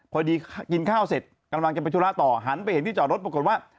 พอดีกินข้าวเสร็จกำลังจะไปธุระต่อหันไปเห็นที่จอดรถปรากฏว่า